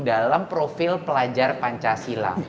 dalam profil pelajar pancasila